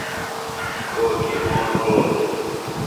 کوکی موݨ گو دےۡ؟